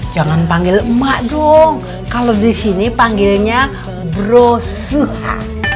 jangan panggil emak dong kalau di sini panggilnya brosua